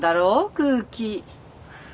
空気。